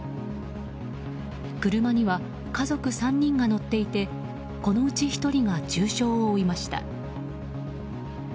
車には家族３人が乗っていてこのうち１人が重傷を負いました。